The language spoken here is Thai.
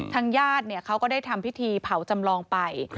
ทางญาติเขาก็ได้ทำพิธีเผาจำลองไป